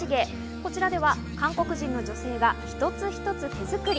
こちらでは韓国人の女性が一つ一つ手作り。